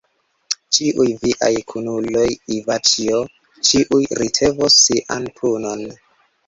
Ĉiuj viaj kunuloj, Ivaĉjo, ĉiuj ricevos sian punon.